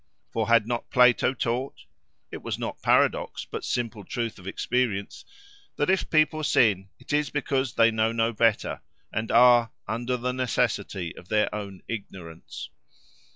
For had not Plato taught (it was not paradox, but simple truth of experience) that if people sin, it is because they know no better, and are "under the necessity of their own ignorance"?